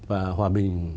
và hòa bình